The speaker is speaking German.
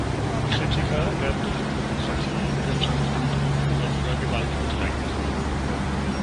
Kritiker werden durch Bürokratie, wirtschaftlichen Druck oder sogar Gewalt bedrängt.